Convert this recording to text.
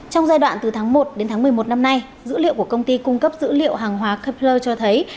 trong giai đoạn từ tháng một đến tháng một mươi một năm nay dữ liệu của công ty cung cấp dữ liệu hàng hóa kepler cho thấy